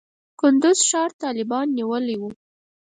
کندز ښار طالبانو نیولی و.